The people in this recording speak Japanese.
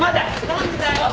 何だよ！？